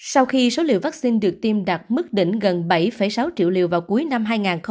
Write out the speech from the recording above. sau khi số liều vaccine được tiêm đạt mức đỉnh gần bảy sáu triệu liều vào cuối năm hai nghìn hai mươi